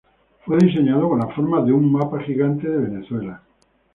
Fue diseñado con la forma de una mapa gigante de Venezuela.